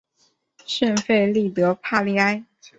圣费利德帕利埃。